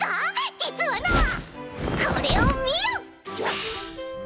実はなぁこれを見よ！